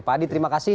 pak adi terima kasih